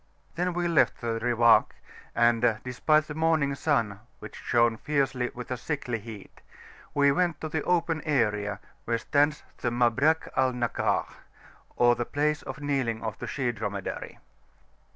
Then we left the Riwak, and despite the morning sun which shone fiercely with a sickly heat, we went to the open area where stands the "Mabrak al Nakah," or the "Place of kneeling of the she Dromedary.